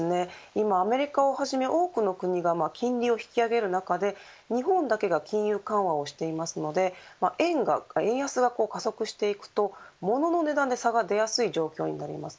今、アメリカをはじめ多くの国が金利を引き上げる中で日本だけが金融緩和をしていますので円安が加速していくとモノの値段で差が出やすい状況になります。